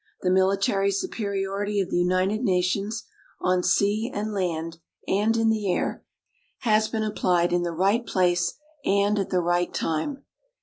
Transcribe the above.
The military superiority of the United Nations on sea and land, and in the air has been applied in the right place and at the right time.